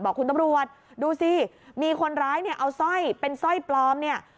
บอกคุณตำรวจดูสิมีคนร้ายเนี่ยเอาสร้อยเป็นสร้อยปลอมเนี่ย